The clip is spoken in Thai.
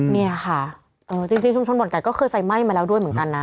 นี่ค่ะจริงชุมชนบรรกัสก็เคยไฟม่ายมาแล้วด้วยเหมือนกันนะ